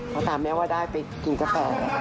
เขาถามแม่ว่าได้ไปกินกาแฟ